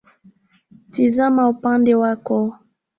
Tizama upande wako